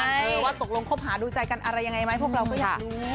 เออว่าตกลงคบหาดูใจกันอะไรยังไงไหมพวกเราก็อยากรู้